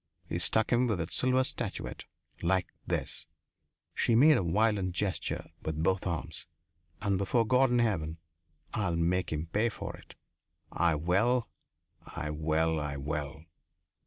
He struck him with that silver statuette. Like this " She made a violent gesture with both arms. "And before God in heaven, I'll make him pay for it. I will! I will! I will!"